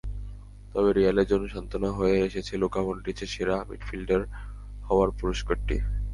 তবে রিয়ালের জন্য সান্ত্বনা হয়ে এসেছে লুকা মডরিচের সেরা মিডফিল্ডার হওয়ার পুরস্কারটি।